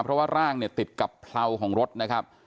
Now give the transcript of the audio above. เพราะว่าร่างติดกับเผลาของรถนะครับ